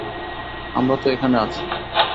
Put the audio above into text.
আমরা তো এখানে আছি।